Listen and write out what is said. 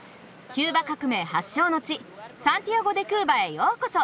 キューバ革命発祥の地サンティアゴ・デ・クーバへようこそ！